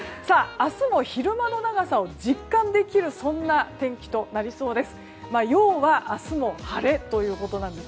明日も昼間の長さが実感できるそんな天気となりそうです。